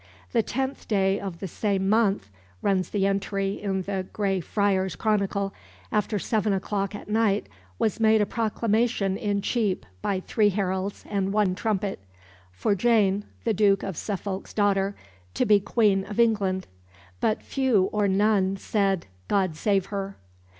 "The tenth day of the same month," runs the entry in the Grey Friar's Chronicle, "after seven o'clock at night, was made a proclamation in Cheap by three heralds and one trumpet ... for Jane, the Duke of Suffolk's daughter, to be Queen of England. But few or none said 'God save her.